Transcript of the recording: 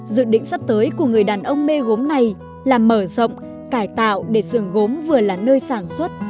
dự định sắp tới của người đàn ông mê gốm này là mở rộng cải tạo để sưởng gốm vừa là nơi sản xuất